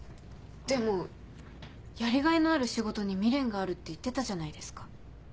でもやりがいのある仕事に未練があるって言ってたじゃないですか。